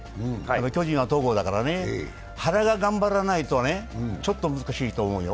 巨人は戸郷だから、原が頑張らないとまずいと思うよ。